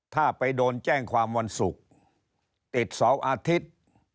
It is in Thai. ถ้าไปโดนแจ้งความวันศุกร์ติดเสาร์อาทิตย์